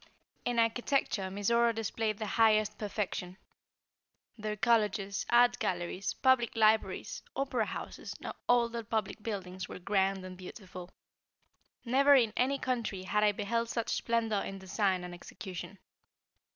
In architecture Mizora displayed the highest perfection. Their colleges, art galleries, public libraries, opera houses, and all their public buildings were grand and beautiful. Never in any country, had I beheld such splendor in design and execution.